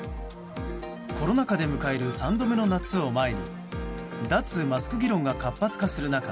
コロナ禍で迎える３度目の夏を前に脱マスク議論が活発化する中